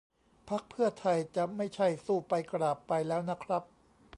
พรรคเพื่อไทยจะไม่ใช่สู้ไปกราบไปแล้วนะครับ